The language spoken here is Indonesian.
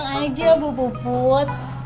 jangan aja bu puput